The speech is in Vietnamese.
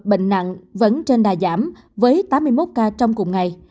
bệnh nặng vẫn trên đà giảm với tám mươi một ca trong cùng ngày